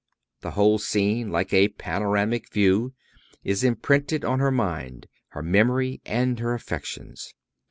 The whole scene, like a panoramic view, is imprinted on her mind, her memory and her affections.